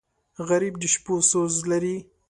غریب د شپو سوز لري